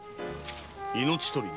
「命取りに」？